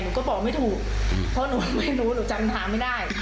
ก็บอกไม่ถูกเพราะหนูไม่รู้หนูจำหาไม่ได้